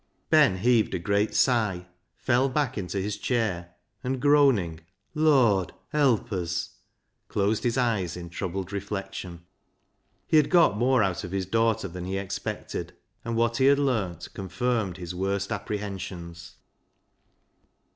Ben heaved a great sigh, fell back into his chair, and groaning, " Lord, help us," closed his eyes in troubled reflection. He had got more out of his daughter than he expected, and what he had learnt confirmed his worst apprehensions.